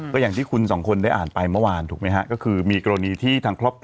ก็อย่างที่คุณส่วนค้นได้อ่านไปเมื่อวานถูกไหมครับ